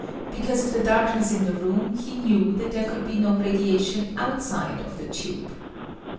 Because of the darkness in the room he knew that there could be no radiation outside of the tube.